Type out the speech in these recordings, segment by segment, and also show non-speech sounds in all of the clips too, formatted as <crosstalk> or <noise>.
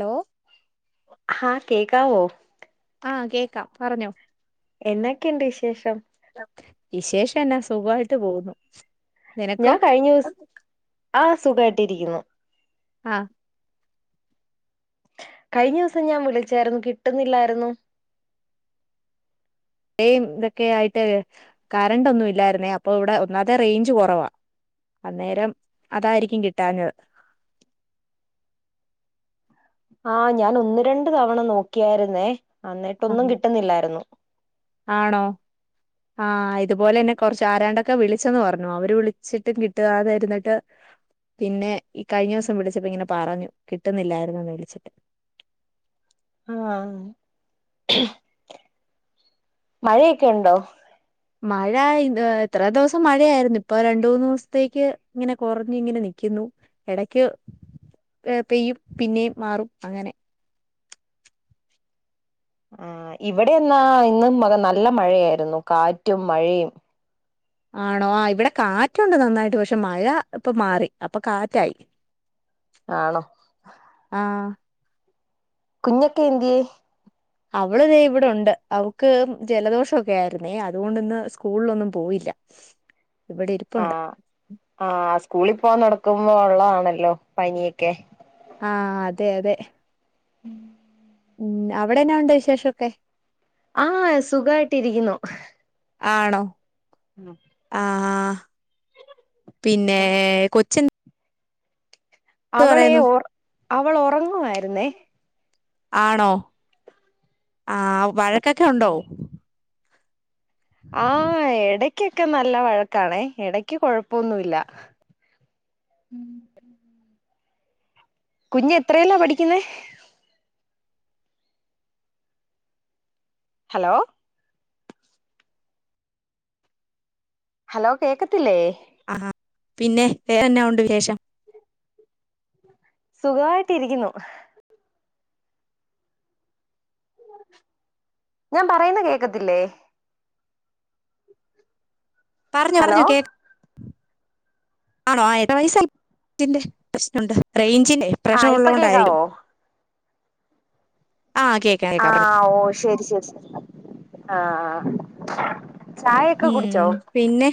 Hello ആഹ് കേക്കാവോ ആഹ് കേക്കാം പറഞ്ഞോ എന്നക്കെയുണ്ട് വിശേഷം വിശേഷം എന്നാ സുഖമായിട്ട് പോകുന്നു നിനക്കോ ഞാൻ കഴിഞ്ഞ ദിവ ആഹ് സുഖമായിട്ടിരിക്കുന്നു ആഹ് കഴിഞ്ഞ ദിവസം ഞാൻ വിളിച്ചായിരുന്നു കിട്ടുന്നില്ലായിരുന്നു മഴെയും ഇതൊക്കെ ആയിട്ട് കറണ്ട് ഒന്നും ഇല്ലായിരുന്നേ അപ്പൊ ഇവിടെ ഒന്നാമത്തെ റേഞ്ച് കൊറവാ അന്നേരം അതായിരിക്കും കിട്ടാഞ്ഞത് ആഹ് ഞാൻ ഒന്ന് രണ്ട് തവണ നോക്കിയായിരുന്നേ അന്നിട്ടൊന്നും കിട്ടുന്നില്ലായിരുന്നു ആണോ ആഹ് ഇതുപോലെന്നെ കൊറച്ച് ആരാണ്ടൊക്കെ വിളിച്ചന്ന് പറഞ്ഞു അവര് വിളിച്ചിട്ടും കിട്ടാതെ ഇരുന്നിട്ട് പിന്നെ ഈ കഴിഞ്ഞ ദിവസം വിളിച്ചപ്പ ഇങ്ങനെ പറഞ്ഞു കിട്ടുന്നില്ലായിരുന്നന്ന് വിളിച്ചിട്ട് ആഹ് മഴയൊക്കെ ഉണ്ടോ മഴ ഇത്ര ദെവസം മഴയായിരുന്നു ഇപ്പൊ രണ്ട് മൂന്ന് ദെവസത്തേക്ക് ഇങ്ങനെ കൊറഞ്ഞ് ഇങ്ങനെ നിക്കുന്നു എടയ്ക്ക് പെയ്യും പിന്നെയും മാറും അങ്ങനെ ആഹ് ഇവിടെന്നാ ഇന്നു മുതൽ നല്ല മഴയായിരുന്നു കാറ്റും മഴയും ആണോ ആ ഇവിടെ കാറ്റുണ്ട് നന്നായിട്ട് പക്ഷെ മഴ ഇപ്പൊ മാറി ഇപ്പൊ കാറ്റായി ആണോ ആഹ് കുഞ്ഞൊക്കെ എന്തിയേ അവള് ദെ ഇവിടെ ഉണ്ട് അവക്ക് ജലദോഷം ഒക്കെ ആയിരുന്നേ അതുകൊണ്ട് ഇന്ന് സ്കൂളിലൊന്നും പോയില്ല <inaudible> ഇവിടെ ഇരിപ്പുണ്ട് ആഹ് ആഹ് സ്കൂളിൽ പോവാൻ തൊടങ്ങുമ്പോ ഒള്ളതാണല്ലോ പനിയൊക്കെ ആഹ് അതെ അതെ ഉം ഉം അവിടെ എന്നാ ഉണ്ട് വിശേഷം ഒക്കെ ആഹ് സുഖായിട്ടിരിക്കുന്നു ആണോ ഉം ആ പിന്നെ കൊച്ച് എ - അവളെ ഓർ അവള് ഒറങ്ങുവായിരുന്നേ ആണോ ആ വഴക്കൊക്കെ ഒണ്ടോ ആഹ് എടക്കൊക്കെ നല്ല വഴക്കാണേ എടക്ക് കൊഴപ്പൊന്നുല്ല ഉം കുഞ്ഞ് എത്രയിലാ പഠിക്കുന്നെ ഹലോ ഹലോ കേക്കത്തില്ലേ ആ പിന്നെ വേറെ എന്നാ ഒണ്ട് വിശേഷം സുഖമായിട്ട് ഇരിക്കുന്നു ഞാൻ പറയുന്നെ കേക്കത്തില്ലേ പറഞ്ഞോ ഹലോ പറഞ്ഞോ കേക്കാ - ആണോ എത്ര വയസായി ഇതിന്റെ പ്രശ്നുണ്ട് റേഞ്ചിന്റെ പ്രശ്നം ആഹ് ഇപ്പൊ ഉള്ളോണ്ടായിരിക്കും കേക്കാവോ ആഹ് കേക്കാം കേക്കാം പറഞ്ഞോ ആഹ് ഓ ശരി ശരി ആഹ് ചായൊക്കെ കുടിച്ചോ ഉം പിന്നെ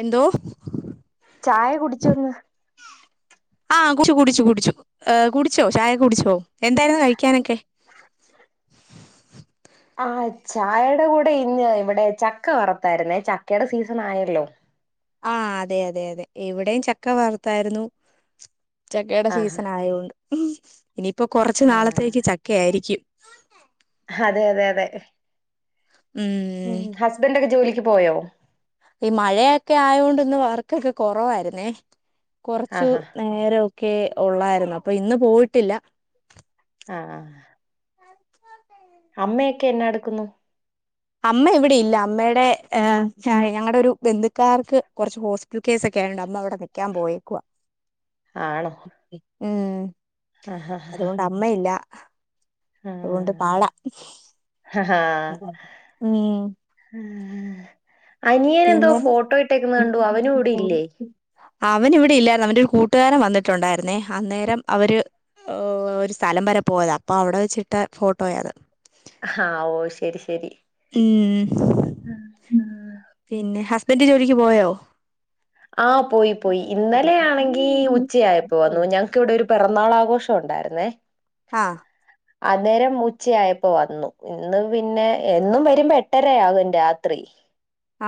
എന്തോ ചായ കുടിച്ചൊ ഇന്ന് ആഹ് കുടിച്ചു കുടിച്ചു കുടിച്ചു കുടിച്ചോ ചായയൊക്കെ കുടിച്ചോ എന്തായിരുന്നു കഴിക്കാനൊക്കെ ആഹ് ചായയുടെ കൂടെ ഇന്ന് ഇവിടെ ചക്ക വറുത്തായിരുന്നേ ചക്കയുടെ സീസൺ ആയല്ലോ ആഹ് അതെ അതെ അതെ ഇവിടെയും ചക്ക വറുത്തായിരുന്നു ചക്കയുടെ ആഹ് സീസൺ ആയോണ്ട് ഇനിയിപ്പോ കൊറച്ചു ആഹ് നാളത്തേക്ക് ചക്കയായിരിക്കും അതെ അതെ അതെ ഉം ഹസ്ബൻഡ് ഒക്കെ ജോലിക്ക് പോയോ ഈ മഴയൊക്കെ ആയോണ്ട് ഇന്ന് വർക്കൊക്കെ കൊറവായിരുന്നേ കൊറച്ചു- ആഹാ നേരൊക്കെ ഉള്ളായിരുന്നു. അപ്പൊ ഇന്ന് പോയിട്ടില്ല. ആഹ് അമ്മയൊക്കെ എന്നാ എടുക്കുന്നു. അമ്മ ഇവിടെയില്ല. അമ്മയുടെ ഞങ്ങളുടെ ഒരു ബന്ധുക്കാർക്ക് കുറച്ച് ഹോസ് പിറ്റൽ കേസൊക്കെയോണ്ട് അമ്മവിടെ നിക്കാൻ പോയേക്കുവ. ആണോ ഉം ആഹ് അതുകൊണ്ട് അമ്മയില്ല. അതുകണ്ട് ആഹ് പാടാ ആഹ് ഹാഹ് ഉം അനിയൻ എന്തോ പിന്നെ ഫോട്ടോ ഇട്ടേക്കുന്നെ കണ്ടു അവനും ഇവിടെ ഇല്ലേ? അവൻ ഇവിടെ ഇല്ലായിരുന്നു. അവന്റെ ഒരു കൂട്ടുകാരൻ വന്നിട്ടുണ്ടായിരുന്നേ അന്നേരം അവര് ഒരു സ്ഥലം വരെ പോയത അപ്പൊ അവിടെ വെച്ചിട്ട് ഫോട്ടോയ അത്. ആഹ് ഓ ശരി ശരി. ഉം പിന്നെ ഹസ്ബൻഡ് ജോലിക്ക് പോയോ? ആഹ് പോയി പോയി. ഇന്നലെയാണെങ്കി ഉം ഉച്ചയായപ്പോ വന്നു. ഞ ഇവിടെ ഒരു പിറന്നാൾ ആഘോഷം ഉണ്ടായിരുന്നേ. ആഹ് അന്നേരം ഉച്ചയായപ്പോ വന്നു. ഇന്ന് പിന്നെ എന്നും വരുമ്പോ എട്ടരയാകും രാത്രി. <inaudible>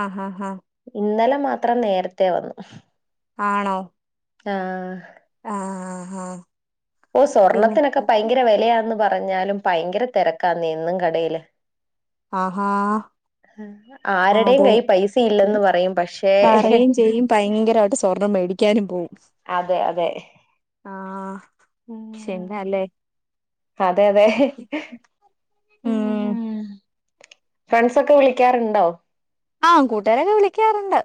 ആഹ് ഹ ഹഹ് ഇന്നലെ മാത്രം നേരത്തെ വന്നു. ആണോ ആഹ് ആഹ് ആഹ് ആഹ് ഓ പിന്നെ സ്വർണ്ണത്തിനൊക്കെ ഭയങ്കര വിലയാന്ന് പറഞ്ഞാലും ഭയങ്കര തിരക്കാനെ എന്നും കടയില്. ആഹ് ഹാ ആരടെയും കയ്യ് പൈസ ഇല്ലെന്ന് പറയും പക്ഷേ പറയും ചെയ്യും ഭയങ്കരമായിട്ട് സ്വർണം മേടിക്കാനും പോവും അതെ അതെ ആഹ് ഉം ശെരിയാല്ലേ അതെ അതെ ഉം. ഫ്രണ്ട്സ ഒക്കെ വിളിക്കാറുണ്ടോ? ആഹ് കൂട്ടുകാരൊക്കെ വിളിക്കാറുണ്ട്.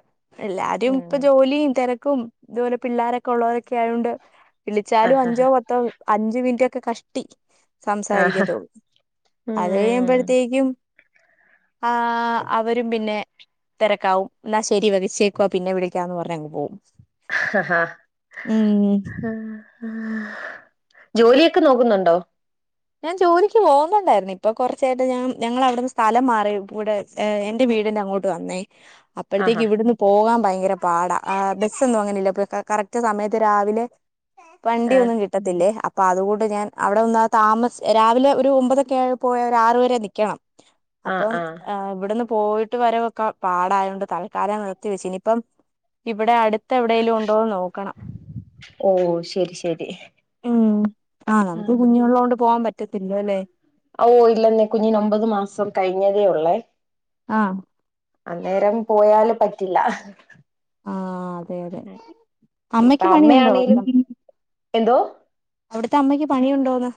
എല്ലാരും ഇപ്പൊ ഉം ജോലിയും തിരക്കും ഇതുപോലെ പിള്ളോരൊക്കെ ഉള്ളവരൊക്കെ ആയോണ്ട് വിളിച്ചാലും ആഹ് അഞ്ചോ പത്തോ അഞ്ച മിനിറ്റ് ഒക്കെ കഷ്ടി ആഹ് സംസാരിക്കത്തുള്ളൂ. അത് ഉം കഴിയുമ്പോഴത്തേക്കും ആഹ് അവരും പിന്നെ തിരക്കാവും. എന്നാ ശരി വേച്ചേക്കുവ പിന്നെ വിളിക്കാന്ന് പറഞ്ഞങ്ങ് പോകും. ആഹ് ആഹ് ആഹ് ജോലിയൊക്കെ നോക്കുന്നുണ്ടോ? ഞാൻ ജോലിക്ക് പോകുന്നുണ്ടായിരുന്നു. ഇപ്പൊ കൊറച്ചായിട്ട് ഞാൻ ഞങ്ങള അവിടുന്ന് സ്ഥലം മാറി കൂടെ ഏ എന്റെ വീടിന്റെ അങ്ങോട്ട് വന്നേ അപ്പോഴത്തേക്ക് ആഹാ ഇവിടുന്ന് പോകാൻ ഭയങ്കര പാടാ. ആ ബസ്സൊന്നും അങ്ങനെല്ല ഇ കറക്റ്റ് സമയത്ത് രാവിലെ ആഹ് വണ്ടിയൊന്നും കിട്ടത്തില്ലേ. അപ്പൊ അതുകൊണ്ട് ഞാൻ അവിടെ ഒന്നാ താമസ രാവിലെ ഒരു ഒമ്പതൊക്കെ പോയ ഒരു ആറ വരെ നിക്കണം. ആഹ് അപ്പം ആഹ് ഇവിടുന്ന് പോയിട്ട് വരവൊക്കെ പാടായതോണ്ട് തൽക്കാലം നിർത്തിവെച്ചു. ഇനിപ്പം ഇവിടെ അടുത്ത് എവിടെലും ഉണ്ടോന്ന് നോക്കണം. ഓഹ് ശരി ശരി ഉം ആഹ് നമുക്ക് കുഞ്ഞുങ്ങള കൊണ്ട് പോവാൻ പറ്റത്തില്ല അല്ലെ. ഓ ഇല്ലെന്നെ കുഞ്ഞന് ഒമ്പത് മാസം കഴിഞ്ഞതേ ഉള്ളേ. ആഹ് അന്നേരം പോയാല് പറ്റില്ല ആഹ് അതെ അതെ ഇപ്പൊ അമ്മക്ക് പണിയുണ്ടോ അമ്മയാണേലും എന്തോ അവിടത്തെ അമ്മയ്ക്ക് പണിയുണ്ടോന്ന്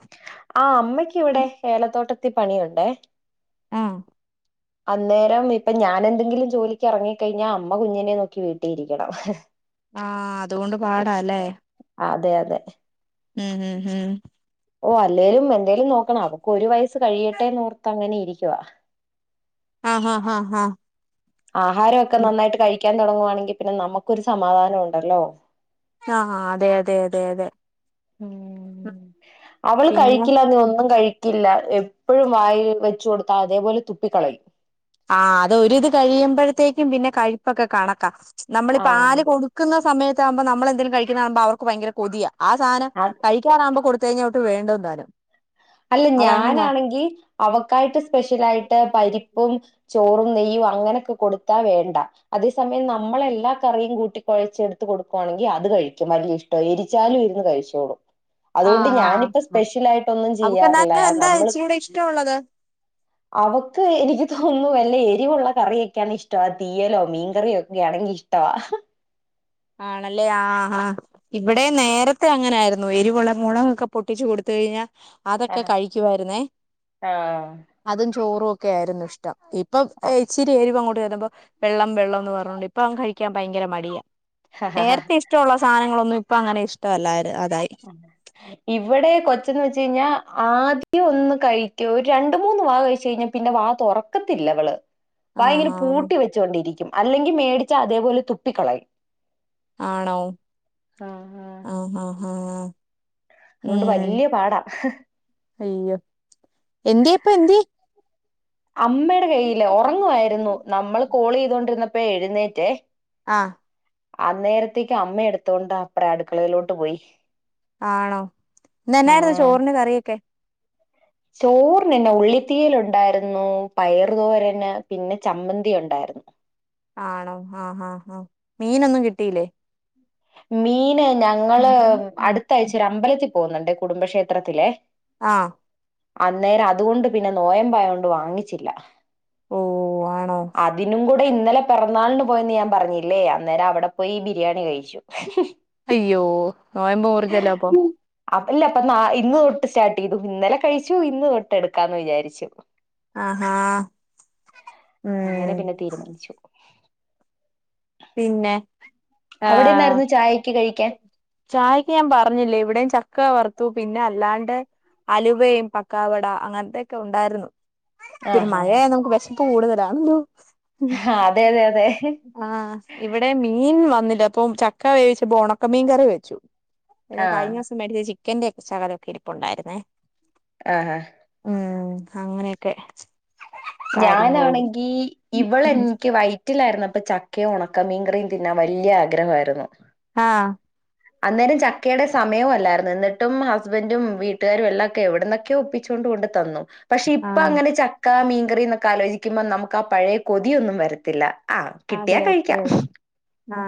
ആഹ് അമ്മയ്ക്ക് ഇവിടെ ഏലത്തോട്ടത്തി പണിയുണ്ടേ ആഹ് അന്നേരം ഇപ്പൊ ഞാൻ എന്തെങ്കിലും ജോലിക്ക് ഇറങ്ങിക്കഴിഞ്ഞാ അമ്മ കുഞ്ഞിനെ നോക്കി വീട്ടീ ഇരിക്കണം ആഹ് അതുകൊണ്ട് പാടാല്ലേ അതെ അതെ ഉം ഉം ഹും ഓ അല്ലേലും എന്തേലും നോക്കണം അവക്ക് ഒരു വയസ്സ് കഴിയട്ടെ നോർത്ത് അങ്ങനെ ഇരിക്കുവ ആഹ് ഹാ ഹാ ഹാ ആഹാരമൊക്കെ നന്നായിട്ട് കഴിക്കാൻ തുടങ്ങുവാണെങ്കിൽ പിന്നെ നമുക്കൊരു സമാധാനം ഉണ്ടല്ലോ ആഹ് അതെ അതെ അതെ അതെ ഉം അവള് പിന്നെ കഴിക്കില്ലനീ ഒന്നും കഴി ക്കില്ല എപ്പൊഴും വായിൽ വെച്ചുകൊടുത്താൽ അതേപോലെ തുപ്പിക്കളയും ആഹ് അതൊരിത് കഴിയുമ്പോഴത്തേക്കും പിന്നെ കഴുപ്പൊക്കെ കണക്കാ ആ നമ്മളിപ്പാല് കൊടു ക്കുന്ന സമയത്താവുമ്പോ നമ്മളെന്തേലും കഴിക്കുന്നാണുമ്പോ അവർക്ക് ഭയര കൊതിയ ആ സാനം ആ കഴി ക്കാനാകുംമ്പോ കൊടുത്ത് കഴിഞ്ഞാ ഒട്ട് വേണ്ടോം താനും അല്ല അതങ്ങനാ ഞാനാണെങ്കി അവക്കായിട്ട് സ്പെഷ്യലായിട്ട് പരിപ്പും ചോറും നെയ്യും അങ്ങനൊക്കെ കൊടുത്താ വേണ്ട അതേസമയം നമ്മളെല്ലാ കറിയും കൂട്ടി കുഴച്ചെടുത്ത് കൊടുക്കുവാണെങ്കി അത് കഴിക്കും വലിയ ഇഷ് ട്ട. എരിച്ചാലും ഇരുന്ന് കഴിച്ചോളും അതുകൊണ്ട് ഞാനിപ്പ സ്പെഷലായിട്ട് ഒന്നും അവക്ക് എന്നാലും എന്താ ഇച്ചിരിയൂടെ ഇഷ്ടമുള്ളത് അവക്ക് എനിക്ക് തോന്നുന്നു വല്ല എരിവുള്ള കറിയൊക്കെയാണ് ഇഷ്ടം ആ തീയലോ മീൻകറിയോ ഒക്കെ ആണെങ്കി ഇഷ് ട്ടവാ ആണല്ലേ ആഹ് ആഹ് ഇവിടെ നേരത്തെ അങ്ങനായിരുന്നു എരിവുളള മുളകൊക്കെ പൊട്ടിച്ചു കൊടുത്ത് കഴിഞ്ഞാ അതൊക്കെ ആഹ് കഴിക്കുവായിരുന്നേ അതും ചോറും ഒക്കെ ആയിരുന്നു ഇഷ്ടം ഇപ്പൊ ഇച്ചിരി എരിവ് അങ്ങോട്ട് ചെല്ലുമ്പോ വെള്ളം വെള്ളം എന്ന് പറഞ്ഞോണ്ട് ഇപ്പം അവൻ കഴിക്കാൻ ഭയര മടിയാ നേരത്തെ ഇഷ്ടമുള്ള സാധനങ്ങളൊന്നും ഇപ്പ അങ്ങനെ ഇഷ്ടവല്ലാര് അതായി ഉ ഇവിടെ കൊച്ചന്ന് വെച്ച് കഴിഞ്ഞാ ആദ്യം ഒന്ന് കഴിക്കൂ ഒരു രണ്ടുമൂന്ന് വാ കഴിച്ച് കഴിഞ്ഞാ പിന്നെ വാ തുറക്കത്തില്ലവള് വായിങ്ങനെ ആഹ് ആഹ് പൂട്ടി വെച്ചൊണ്ടിരിക്കും അല്ലെങ്കിൽ മേടിച്ച അതേപോലെ തുപ്പിക്കളയും ആണോ ആഹ് ആഹ് ആഹ് അതുകൊണ്ട് ഉം വല്യ പാടാ അയ്യോ എന്തേ ഇപ്പൊ എന്ത്യേ അമ്മയുടെ കയ്യില് ഉറങ്ങുവായിരുന്നു നമ്മൾ കോൾ ചെയ്തോണ്ടിരുന്നപ്പോ എഴുന്നേറ്റേ ആഹ് അന്നേരത്തേക്ക് അമ്മ എടുത്തോണ്ട് അപ്രേ അടുക്കളയിലോട്ട് പോയി ആണോ ഇന്ന് എന്നായിരുന്നു ചോറിന് കറിയൊക്കെ ചോറിനെന്നെ ഉള്ളിത്തീയൽ ഉണ്ടായിര് ന്നു പയറു തോരന് പിന്നെ ചമ്മന്തി ഉണ്ടായിരുന്നു ആണോ ആഹ് ആഹ് ആഹ് മീനൊന്നും കിട്ടീയില്ലേ മീന് ഞങ്ങള് ഉം അടുത്താഴ്ച ഒരു അമ്പലത്തിൽ പോകുന്നുണ്ട് കുടുംബക്ഷേത്രത്തിലെ ആഹ് അന്നേരം അതുകൊണ്ട് പിന്നെ നോയമ്പായണ്ട് വാങ്ങിച്ചില്ല ഓ ആണോ അതിനും കൂടെ ഇന്നലെ പിറന്നാളിന് പോയെന്ന് ഞാൻ പറഞ്ഞില്ലേ അന്നേരം അവിടെ പോയി ബിരിയാണി കഴിച്ചു അയ്യോ നോയമ്പ മുറിഎത്തില്ലേ അപ്പം അല്ല അപ്പൊ നാ ഇന്ന് തൊട്ട് സ്റ്റാർട്ട് ചെയ്തു ഇന്നലെ കഴിച്ചു ഇന്ന് തൊട്ട് എടുക്കാന്ന് വിചാരിച്ചു ആഹാ അങ്ങനെ ഉം പിന്നെ തീരുമാനിച്ചു പിന്നെ അവിടെന്നായിരുന്നു ചായക്ക് കഴിക്കാൻ ചായ്ക്ക് ഞാൻ പറഞ്ഞില്ലേ ഇവിടെയും ചക്ക വറുത്തു പിന്നെ അല്ലാണ്ട് അലുവയും പക്കാവട അങ്ങനത്തൊക്കെ ഉണ്ടായിരുന്നു പിന്നെ ആഹ് ആഹ് മഴയ നമുക്ക് വിശപ്പ് കൂടുതലാണോ ഹ അതെ അതെ അതെ ആഹ്‌. ഇവിടെ മീൻ വന്നില്ല ഇപ്പൊ ചക്ക വേവിച്ചപ്പോ ഉണക്ക മീൻ കറി വെച്ചു പിന്നെ ആഹ് കഴിഞ്ഞസ് മിച്ച ചിക്കന്റെ ഒക്കെ ചകതൊക്കെ ഇരിപ്പോണ്ടായിന്നെ ആഹ്‌ ആഹ്‌. ഉം അങ്ങനെയൊക്കെ കാര്യങ്ങളോട് ഞാനാണെങ്കി ഇവളെനിക്ക് വൈ റ്റിലായിരുന്നു അപ്പൊ ചക്കയും ഉണക്ക മീൻകറിയും തിന്നാൻ വലിയ ആഗ്രഹമായിരുന്നു ആഹ്‌. അന്നേരം ചക്കയുടെ സമയവും അല്ലായിരുന്നു എന്നിട്ടും ഹസ്ബന്റും വീട്ടുകാരും എല്ലാം ഒക്കെ എവിടുന്നൊക്കെയ ഒപ്പി ചൊണ്ട് കൊണ്ട് തന്നു പക്ഷെ ഇപ്പൊ ആഹ് അങ്ങനെ ചക്ക മീൻകറി എന്നൊക്കെ ആലോചിക്കുമ്പോ നമുക്ക് ആ പഴയ കൊതിയൊന്നും വരത്തില്ല ആ അതെ കിട്ടിയാ അതെ കഴിക്കാം അതെ ആ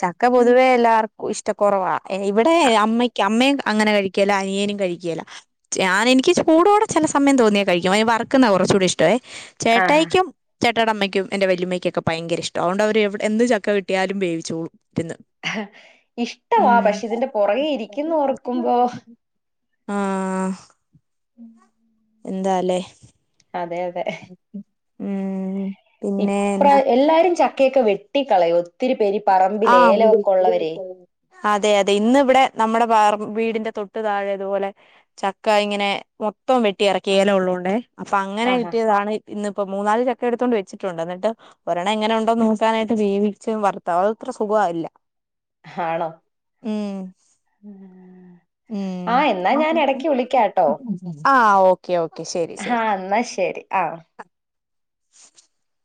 ചക്ക ഉം പൊതുവെ എല്ലാവർ കു ഇഷ്ട കുറവാ ഇവിടെ ആ അമ്മയ്ക്ക് അമ്മയും അങ്ങനെ കഴിക്കല അനിയേനും കഴിക്കല്ല ഞാൻ എനിക്ക് ചൂടോടെ ചില സമയം തോന്നിയാൽ കഴിക്കും അതിന് വർക്കുന്നാ കുറച്ചുകൂടി ഇഷ്ടവെ ആഹാ ചേട്ടായ്ക്കും ചേട്ടായിടെ അമ്മയ്ക്കും എന്റെറ വലിയമ്മ ക്കൊക്കെ ഭയങ്കര ഇഷ്ട അതൊ അവര് എവിടെ എന്ത് ചക്ക കിട്ടിയാലും വേവിച്ചളൂ ഇന്ന് ഇഷ്ടവാ പക്ഷെ ഇതിന്റെ പുറകെ ഇരിക്കുന്നു ഓർക്കുമ്പോ ആഹ്‌. ഉം <unintelligible> എന്താലേ അതെ അതെ ഉം പിന്നെ ഇപ്ര എന്നാ എല്ലാരും ചക്കയൊക്കെ വെട്ടിക്കളയും ഒത്തിരി പേര് പറമ്പിൽ ആഹ് ഏലക്കെ ഉള്ളവരെ അതെ അതെ ഇന്ന് ഇവിടെ നമ്മുടെ വീടിന്റെ തൊട്ട് താഴെതുപോലെ ചക്ക ഇങ്ങനെ മൊത്തം വെട്ടി ഇറക്കില ഉള്ളുകൊണ്ടെ അപ്പൊ അങ്ങനെ ആഹാ കിട്ടിയതാണ് ഇന്ന് ഇപ്പോൊ മൂന്നാല് ചക്ക എടുത്തോണ്ട് വച്ചിട്ടുണ്ട് എന്നിട്ട് ഒരെണ്ണം എങ്ങനെ ഉണ്ടോന്ന് നോക്കാനായിട്ട് വീവച്ച് വർ തത്ര സുഖല്ല ഹാണോ ഉം ആ ഉം എന്നാ ഞാൻ ഇടക്ക് വിളിക്കാട്ടോ ആ ഓക്കേ ഓക്കെ ശരി ആ ശരി എന്നാ ശരി ആ <inaudible>